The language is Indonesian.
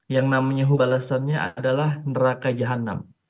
yang namanya balasannya adalah neraka jahanam